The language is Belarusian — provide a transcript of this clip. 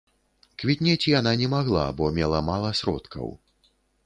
Квітнець яна не магла, бо мела мала сродкаў.